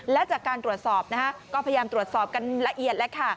และจากการตรวจสอบก็พยายามตรวจสอบกันละเอียดแล้วค่ะ